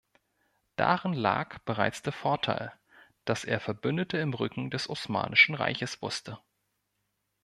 Darin lag bereits der Vorteil, dass er Verbündete im Rücken des Osmanischen Reiches wusste.